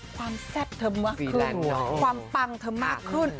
แซ่บเธอมากขึ้นความปังเธอมากขึ้น